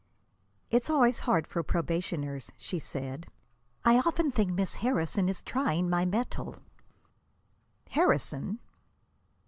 "It's always hard for probationers," she said. "I often think Miss Harrison is trying my mettle." "Harrison!"